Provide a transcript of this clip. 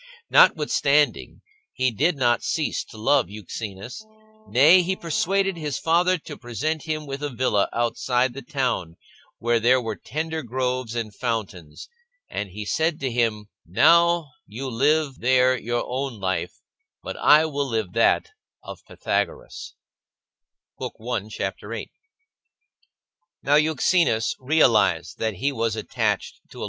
Notwithstanding he did not cease to love Euxenus, nay, he persuaded his father to present him with a villa outside the town, where there were tender groves and fountains, and he said to him ;" Now you live there your own life, but I will live that of Pythagoras," Vill ~ Now Euxenus realised that he was attached to a cHap.